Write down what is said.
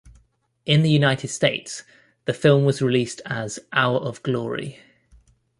In the United States, the film was released as Hour of Glory.